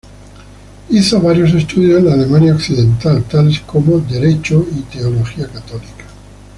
Hizo varios estudios en la Alemania Occidental, tales como Derecho y teología católica.